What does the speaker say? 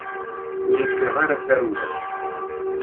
Ur ufiɣ ara tarewla.